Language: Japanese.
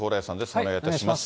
お願いします。